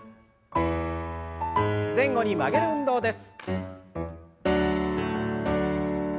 前後に曲げる運動です。